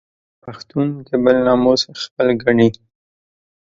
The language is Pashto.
پښتون د بل ناموس خپل ګڼي